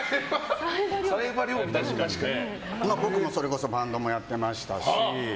僕もそれこそバンドもやってましたし。